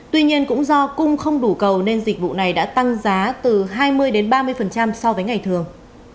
tuy nhiên cũng do cung không đủ cầu nên dịch vụ này đã tăng giá từ hai mươi ba mươi so với ngày thường